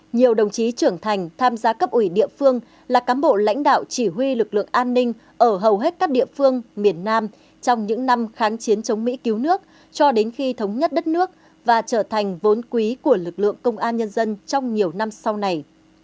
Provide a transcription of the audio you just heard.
nhiều đồng chí trưởng thành tham gia cấp ủy địa phương là cán bộ lãnh đạo chỉ huy lực lượng an ninh ở hầu hết các địa phương miền nam trong những năm kháng chiến chống mỹ cứu nước cho đến khi thống nhất đất nước và trở thành vốn quý của lực lượng công an nhân dân trong nhiều năm sau này